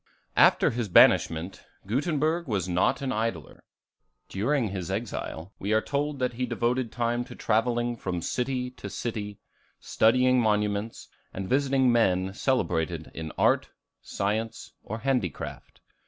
After his banishment, Gutenberg was not an idler. During his exile, we are told that he devoted time to travelling from city to city, studying monuments, and visiting men celebrated in art, science, or handicraft.